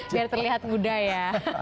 biar terlihat muda ya